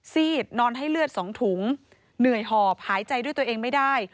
ซีดนอนให้เลือด๒ถุงเหนื่อยหอบหายใจด้วยตัวเองไม่ได้